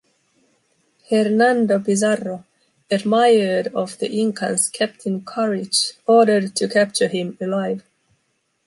Hernando Pizarro, admired of the Incan´s captain courage, ordered to capture him alive.